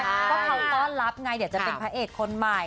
ก็เขาต้อนรับไงเดี๋ยวจะเป็นพระเอกคนใหม่